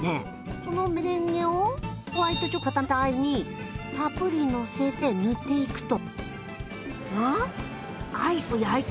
そのメレンゲをホワイトチョコで固めたアイスにたっぷりのせて塗っていくと。